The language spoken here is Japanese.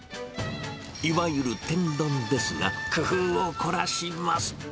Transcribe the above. いわゆる天丼ですが、工夫を凝らします。